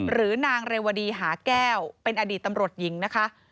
หรือนางเรวดีหาแก้วเป็นอดีตตำรวจหญิงนะคะ